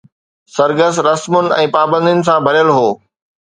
سرگس رسمن ۽ پابندين سان ڀريل هو